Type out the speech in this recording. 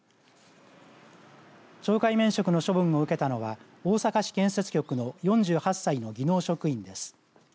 懲戒免職の処分を受けたのは大阪市建設局の４８歳の技能職員です。